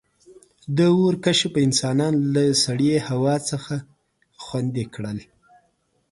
• د اور کشف انسانان له سړې هوا څخه خوندي کړل.